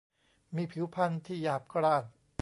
มีผิวพรรณที่หยาบกร้าน